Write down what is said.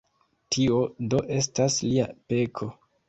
Tio do estas lia peko.